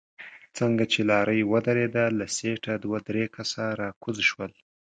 څنګه چې لارۍ ودرېده له سيټه دوه درې کسه راکوز شول.